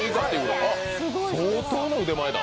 相当な腕前だ。